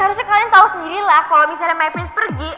ya harusnya kalian tau sendiri lah kalo misalnya my prince pergi